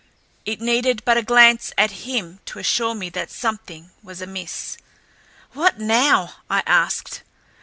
It needed but a glance at him to assure me that something was amiss. "What now?" I asked.